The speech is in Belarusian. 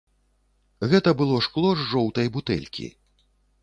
Гэта было шкло з жоўтай бутэлькі.